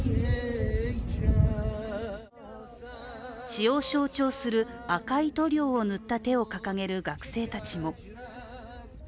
血を象徴する赤い塗料を塗った手を掲げる学生たちも。